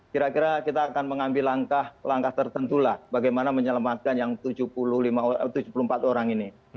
kira kira kita akan mengambil langkah langkah tertentu lah bagaimana menyelamatkan yang tujuh puluh empat orang ini